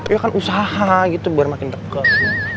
ya kan usaha gitu buat makin deket